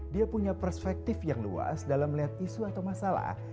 dia punya perspektif yang luas dalam melihat isu atau masalah